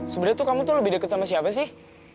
sebenernya tuh kamu tuh lebih deket sama siapa sih